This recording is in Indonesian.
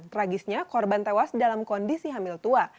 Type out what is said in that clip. tragisnya korban tewas dalam kondisi hamil tua